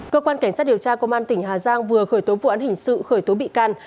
cơ quan cảnh sát điều tra công an tỉnh hà giang vừa khởi tố vụ án hình sự khởi tố bị can